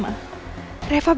aku sudah mati